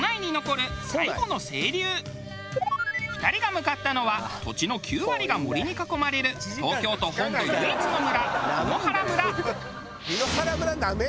２人が向かったのは土地の９割が森に囲まれる東京都本土唯一の村檜原村。